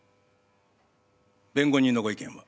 弁護人のご意見は？